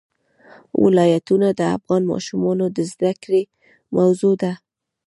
ولایتونه د افغان ماشومانو د زده کړې موضوع ده.